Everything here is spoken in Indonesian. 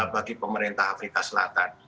bagi pemerintah afrika selatan